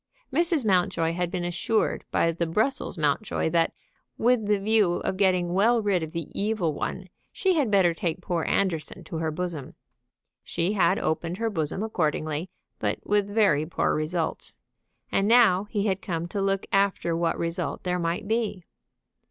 Mrs. Mountjoy had been assured by the Brussels Mountjoy that, with the view of getting well rid of the evil one, she had better take poor Anderson to her bosom. She had opened her bosom accordingly, but with very poor results. And now he had come to look after what result there might be.